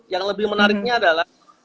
yang lebih menariknya adalah